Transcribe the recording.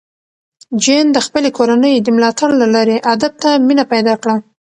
جین د خپلې کورنۍ د ملاتړ له لارې ادب ته مینه پیدا کړه.